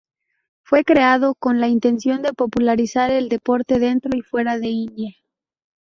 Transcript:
Fue creado con la intención de popularizar el deporte dentro y fuera de India.